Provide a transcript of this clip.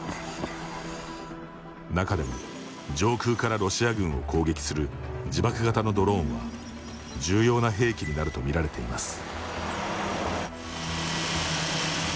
中でも、上空からロシア軍を攻撃する自爆型のドローンは重要な兵器になると見られています。